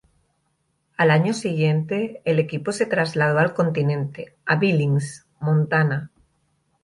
Al año siguiente el equipo se trasladó al continente, a Billings, Montana.